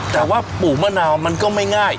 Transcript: แต่ว่าปลูกมะนาวมันก็ไม่ง่าย